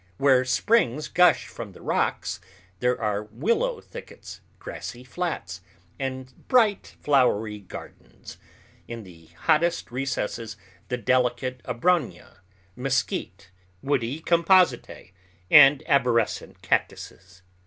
Where springs gush from the rocks there are willow thickets, grassy flats, and bright, flowery gardens, and in the hottest recesses the delicate abronia, mesquite, woody compositae, and arborescent cactuses.